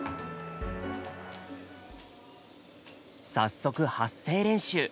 早速発声練習。